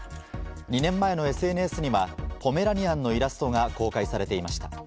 ２年前のＳＮＳにはポメラニアンのイラストが公開されていました。